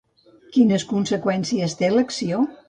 Quines conseqüències té l'acció?